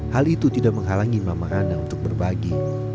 hal itu tidak menghalangi mama rana untuk berbagi